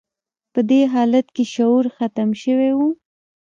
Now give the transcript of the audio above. په دې حالت کې شعور ختم شوی و